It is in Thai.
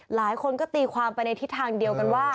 หลายคนก็ตีความไปในทิศทางเดียวกันว่า